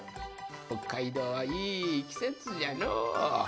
北海道はいいきせつじゃのう。